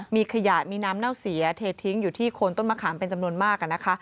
มีขยะมีน้ำเน่าเสียเททิ้งอยู่ที่โคนต้นมะขามเป็นจำนวนมากนะคะ